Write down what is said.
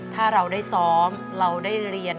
ถ้าเราได้ซ้อมเราได้เรียน